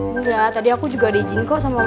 nggak tadi aku juga ada izin kok sama mama kamu